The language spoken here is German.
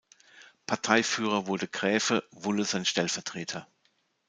Parteiführer wurde Graefe, Wulle sein Stellvertreter.